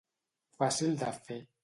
Fàcil de fer.